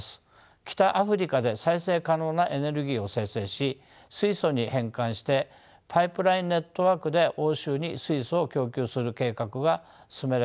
北アフリカで再生可能なエネルギーを生成し水素に変換してパイプライン・ネットワークで欧州に水素を供給する計画が進められております。